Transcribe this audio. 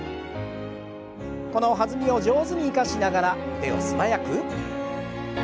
この弾みを上手に生かしながら腕を素早く。